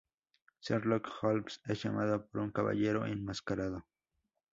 Sherlock Holmes es llamado por un caballero enmascarado.